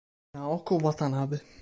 Naoko Watanabe